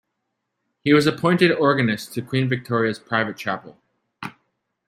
He was appointed organist to Queen Victoria's private chapel.